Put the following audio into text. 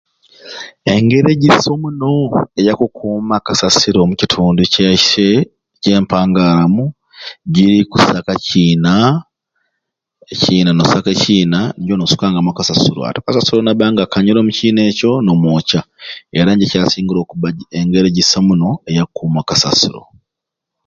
Engeri egyisai muno eyakukuuma o kasasiro omukitundu kyaiswe kyempangaaramu giri kusaka kiina ekiina n'osaka ekiina nijo n'osukangamu okasasiro ati o kasasiro nabba nga akanyire omu kiina ekyo n'omwokya era nijjo ekyasingire engeri egisai omuno eya kukuuma o kasasiro.